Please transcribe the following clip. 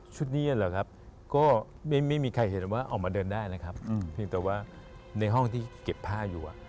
นี้เหรอครับก็ไม่มีใครเห็นว่าออกมาเดินได้นะครับเพียงแต่ว่าในห้องที่เก็บผ้าอยู่